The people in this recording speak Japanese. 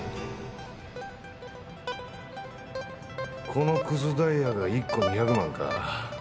このクズダイヤが１個２００万か。